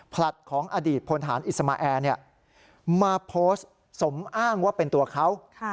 ผลัดของอดีตพลฐานอิสมาแอร์มาโพสต์สมอ้างว่าเป็นตัวเขา